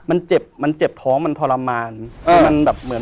มันเจ็บท้องมันทรมาน